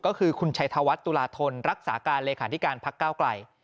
ก็คือคุณชัยธวัฒน์ตุลาธนรักษาการเลขาธิการพักก้าวไกล